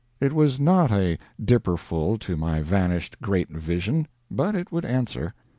It was not a dipperful to my vanished great vision, but it would answer.